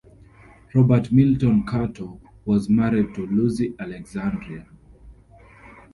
Robert Milton Cato was married to Lucy Alexandra.